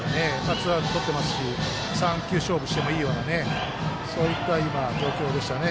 ツーアウトとってますし３球勝負してもいいようなそういった今、状況でしたね。